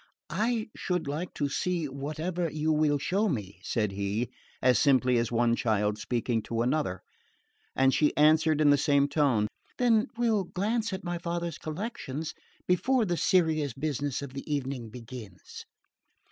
"I should like to see whatever you will show me," said he, as simply as one child speaking to another; and she answered in the same tone, "Then we'll glance at my father's collections before the serious business of the evening begins."